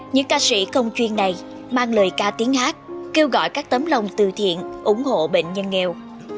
những ca sĩ công chuyên này mang lời ca tiếng hát kêu gọi các tấm lòng từ thiện ủng hộ bệnh nhân nghèo